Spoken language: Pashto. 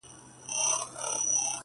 هغه له میني جوړي پرندې به واپس راسي,,